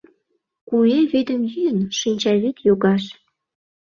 Куэ вӱдым йӱын, шинчавӱд йогаш.